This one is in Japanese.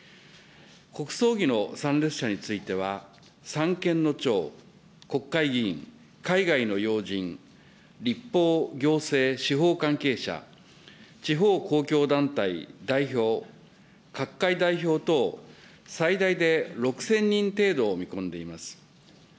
国葬儀の参列者については、三権の長、国会議員、海外の要人、立法、行政、司法関係者、地方公共団体代表、各界代表等、最大で６０００人程度を見込んでいます。